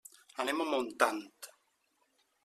Anem a Montant.